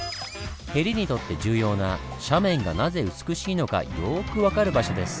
「へり」にとって重要な斜面がなぜ美しいのかよく分かる場所です。